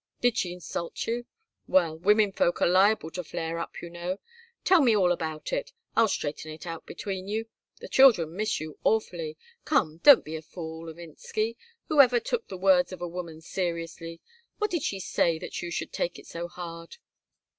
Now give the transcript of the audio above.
Did she insult you? Well, women folk are liable to flare up, you know. Tell me all about it. I'll straighten it out between you. The children miss you awfully. Come, don't be a fool, Levinsky. Who ever took the words of a woman seriously? What did she say that you should take it so hard?"